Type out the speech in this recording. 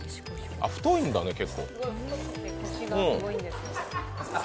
太いんだね、結構。